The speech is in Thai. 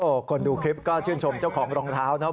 คนดูคลิปก็ชื่นชมเจ้าของรองเท้านะครับ